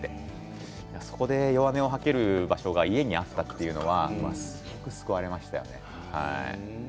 そこで弱音を吐ける場所が家にあったというのは救われましたよね。